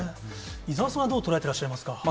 伊沢さんはどう捉えてらっしゃいますか。